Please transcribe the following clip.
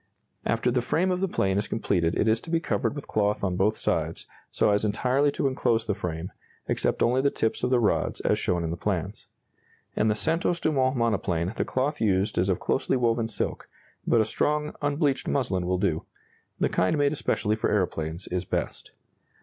] After the frame of the plane is completed it is to be covered with cloth on both sides, so as entirely to enclose the frame, except only the tips of the rods, as shown in the plans. In the Santos Dumont monoplane the cloth used is of closely woven silk, but a strong, unbleached muslin will do the kind made especially for aeroplanes is best.